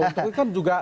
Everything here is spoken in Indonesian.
itu kan juga